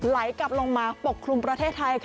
ไหลกลับลงมาปกคลุมประเทศไทย